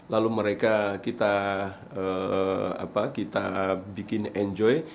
lalu mereka kita bikin enjoy